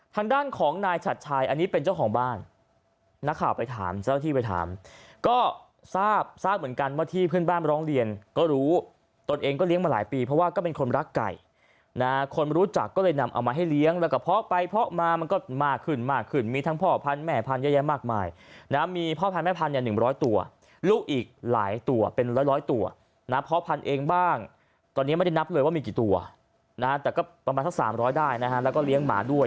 ทางด้านของนายชัดชายอันนี้เป็นเจ้าของบ้านนะครับไปถามเจ้าที่ไปถามก็ทราบทราบเหมือนกันว่าที่เพื่อนบ้านมาร้องเรียนก็รู้ตนเองก็เลี้ยงมาหลายปีเพราะว่าก็เป็นคนรักไก่นะฮะคนมารู้จักก็เลยนำเอามาให้เลี้ยงแล้วกับพ่อไปพ่อมามันก็มากขึ้นมากขึ้นมีทั้งพ่อพันแม่พันเยอะแยะมากมายนะมีพ่อพันแม่พันเนี่ย